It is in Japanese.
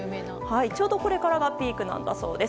ちょうど、これからがピークなんだそうです。